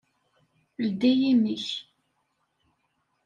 Ldi imi-k!